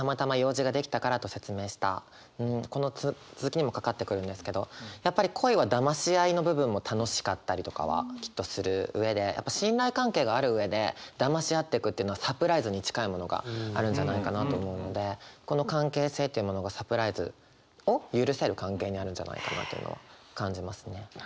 うんこの続きにも掛かってくるんですけどやっぱり恋はだまし合いの部分も楽しかったりとかはきっとする上でやっぱ信頼関係がある上でだまし合ってくっていうのはサプライズに近いものがあるんじゃないかなと思うのでこの関係性というものがサプライズを許せる関係にあるんじゃないかなというのは感じますね。